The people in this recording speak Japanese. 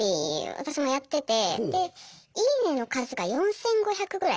私もやっててで「いいね」の数が４，５００ぐらい。